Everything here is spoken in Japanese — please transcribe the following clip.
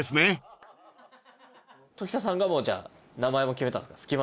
常田さんがもうじゃあ名前も決めたんですか？